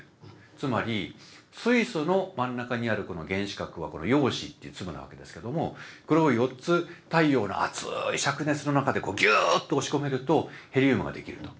つまり水素の真ん中にあるこの原子核はこの陽子って粒なわけですけどもこれを４つ太陽の熱い灼熱の中でギューッと押し込めるとヘリウムができると。